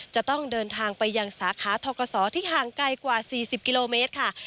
จะต้องเดินทางไปยังสาขาทกศที่ห่างไกลกว่า๔๐กิโลเมตรค่ะ